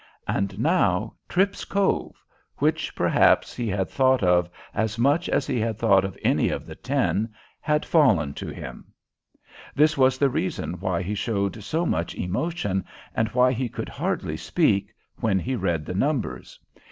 And now Tripp's Cove which, perhaps, he had thought of as much as he had thought of any of the ten had fallen to him. This was the reason why he showed so much emotion, and why he could hardly speak, when he read the numbers.